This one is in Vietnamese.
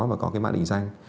và có mạng định danh